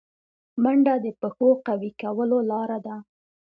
منډه د پښو قوي کولو لاره ده